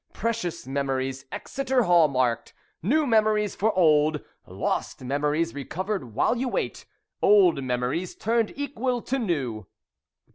Precious Memories (Exeter Hall marked). New Memories for Old! Lost Memories Recovered while you wait. Old Memories Turned equal to New.